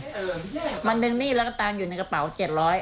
มาดึงหนี้แล้วก็ตามอยู่ในกระเป๋าเจ็ดร้อย